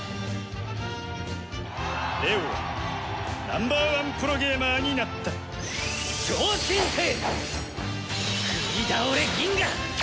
レオはナンバーワンプロゲーマーになった超新星くい倒れ銀河！